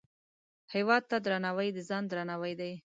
هیواد ته درناوی، د ځان درناوی دی